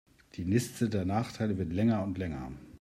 Die Liste der Nachteile wird länger und länger.